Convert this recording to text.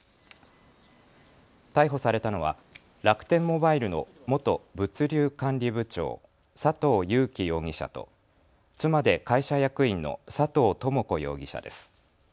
逮捕されたのは楽天モバイルの元物流管理部長、佐藤友紀容疑者と妻で会社役員の佐藤智子容疑者です。